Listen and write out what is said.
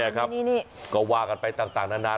นี่ครับก็ว่ากันไปต่างนานา